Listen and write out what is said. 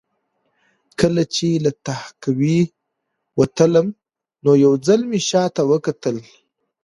کله چې له تهکوي وتلم نو یو ځل مې شا ته وکتل